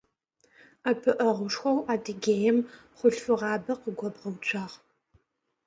Ӏэпыӏэгъушхоу Адыгеем хъулъфыгъабэ къыгобгъэуцуагъ.